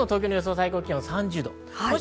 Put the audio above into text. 最高気温３０度。